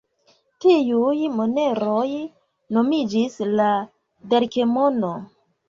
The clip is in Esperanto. Tiuj moneroj nomiĝis la darkemono.